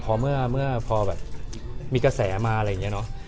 พอเมื่อพอแบบมีกระแสมาอะไรอย่างนี้เนอะ